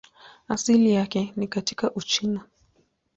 Asili yake ni katika Uchina.